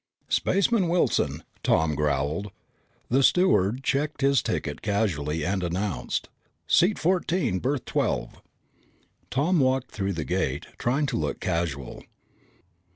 "Spaceman Wilson!" Tom growled. The steward checked his ticket casually and announced, "Seat fourteen, berth twelve!" Tom walked through the gate, trying to look casual.